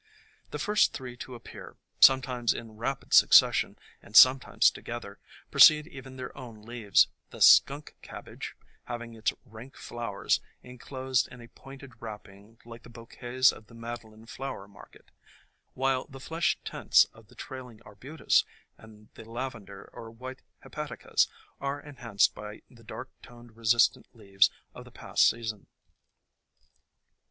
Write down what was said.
The first three to appear, sometimes in rapid succession and sometimes together, precede even their own leaves, the Skunk Cabbage having its rank flowers enclosed in a pointed wrapping like the bouquets of the Madeleine flower market, while the flesh tints of the Trailing Arbutus and the lavender or white Hepaticas are enhanced by the dark toned resistant leaves of the past season.